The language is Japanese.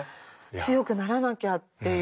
強くならなきゃっていう。